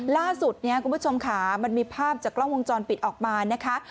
ล่าสุดมันมีภาพจากกล้องวงจรปิดออกมานะคะ